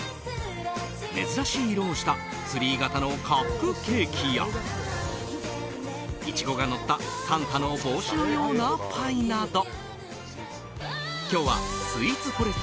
珍しい色をしたツリー形のカップケーキやイチゴがのったサンタの帽子のようなパイなど。